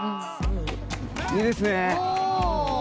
いいですね！